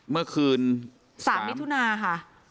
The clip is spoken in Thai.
เมื่อคืน๓มิถุนาค่ะ